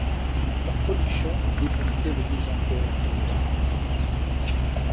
Sa production dépassait les exemplaires annuels.